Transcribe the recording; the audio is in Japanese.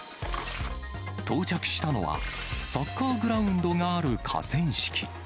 到着したのは、サッカーグラウンドがある河川敷。